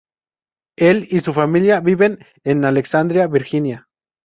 Él y su familia viven en Alexandria, Virginia.